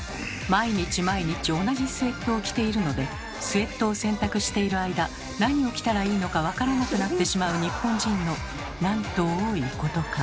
毎日毎日同じスウェットを着ているのでスウェットを洗濯している間何を着たらいいのか分からなくなってしまう日本人のなんと多いことか。